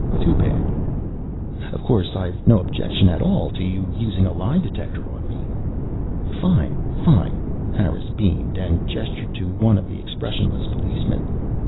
Too bad." "Of course, I've no objection at all to your using a lie detector on me." "Fine, fine." Harris beamed and gestured to one of the expressionless policemen.